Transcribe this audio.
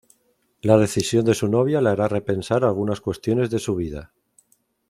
La decisión de su novia le hará repensar algunas cuestiones de su vida.